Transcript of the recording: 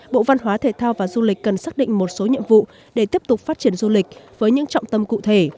bộ văn hóa thể thao và du lịch cần xác định một số nhiệm vụ để tiếp tục phát triển du lịch với những trọng tâm cụ thể